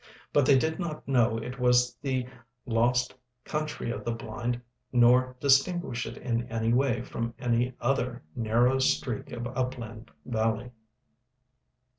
But they did not know it was the lost Country of the Blind, nor distinguish it in any way from any other narrow streak of upland valley.